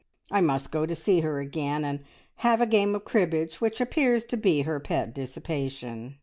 I must go to see her again, and have a game of cribbage, which appears to be her pet dissipation.